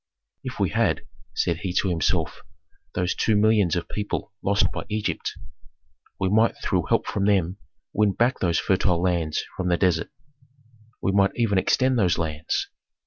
"If we had," said he to himself, "those two millions of people lost by Egypt, we might through help from them win back those fertile lands from the desert, we might even extend those lands.